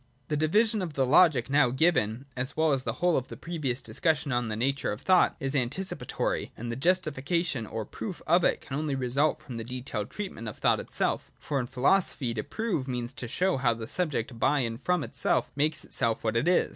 The division of Logic now given, as well as the whole of the previous discussion on the nature of thought, is antici patory : and the justification, or proof of it, can only result from the detailed treatment of thought itself. For in philo sophy, to prove means to show how the subject by and from itself makes itself what it is.